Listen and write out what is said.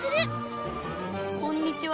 「こんにちは」